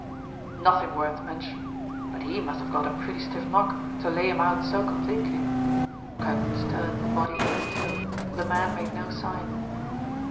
"Nothing worth mention; but he must have got a pretty stiff knock, to lay him out so completely." Kirkwood stirred the body with his toe, but the man made no sign.